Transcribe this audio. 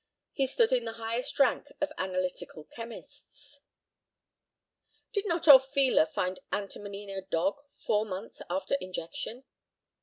He stood in the highest rank of analytical chemists. Did not Orfila find antimony in a dog four months after injection?